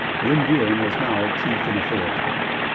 " Bienville was now chief in authority.